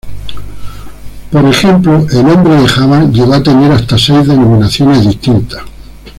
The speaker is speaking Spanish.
Por ejemplo, el hombre de Java llegó a tener hasta seis denominaciones distintas.